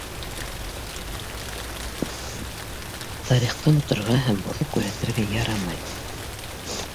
Тарихты оноторға һәм боҙоп күрһәтергә ярамай.